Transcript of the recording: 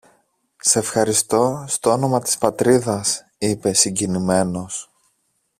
Σ' ευχαριστώ στ' όνομα της Πατρίδας, είπε συγκινημένος.